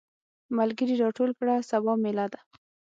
ملګري راټول کړه سبا ميله ده.